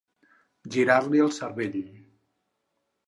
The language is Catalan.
Girar-li el cervell.